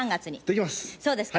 そうですか。